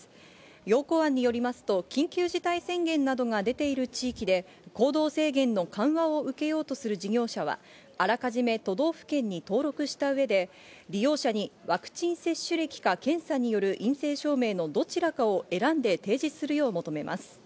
要綱案によりますと、緊急事態宣言などが出ている地域で行動制限の緩和を受けようとする事業者はあらかじめ都道府県に登録した上で利用者にワクチン接種歴か検査による陰性証明のどちらかを選んで提示するよう求めます。